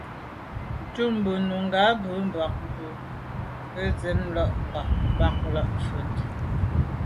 Tchúp bú nùngà mbə̄ mbà bú gə́ tɛ̀ɛ́n sə́’ láà’ ká bū làáp vút.